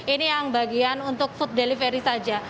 ini yang bagian untuk food delivery saja